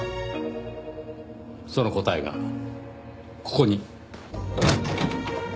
その答えがここに。